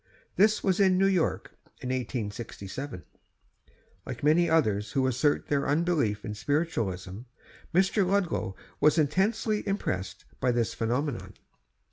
This was in New York, in 1867. Like many others who assert their unbelief in spiritualism, Mr. Ludlow was intensely impressed by this phenomenon.